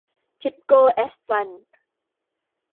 ทิปโก้แอสฟัลท์